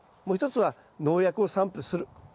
もう一つは農薬を散布する。